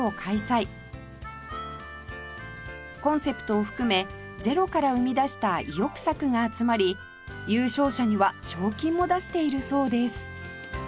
コンセプトを含めゼロから生み出した意欲作が集まり優勝者には賞金も出しているそうです